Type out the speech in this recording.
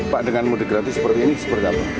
pak dengan mudik gratis seperti ini seperti apa